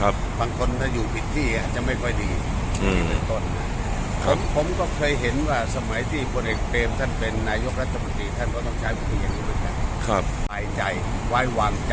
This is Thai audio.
บางคนถ้าอยู่ผิดที่จะไม่ค่อยดี